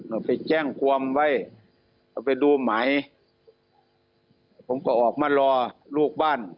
เอาไปแจ้งความไว้เอาไปดูไหมผมก็ออกมารอลูกบ้าน